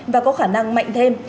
và có khả năng mạnh thêm